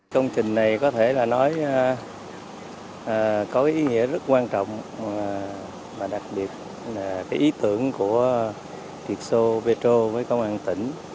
công trình này có thể là nói có ý nghĩa rất quan trọng và đặc biệt là ý tưởng của việt xô petro với công an tỉnh